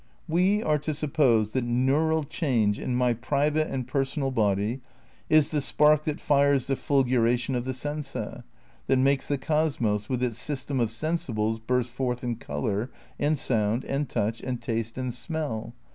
We are to suppose that neural change in my private and per sonal body is the spark that fires the fulguration of the sensa, that makes the cosmos with its system of sensibles burst forth in coloi^ and sound and touch and taste and smell.